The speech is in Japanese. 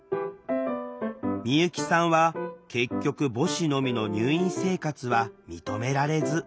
美由紀さんは結局母子のみの入院生活は認められず。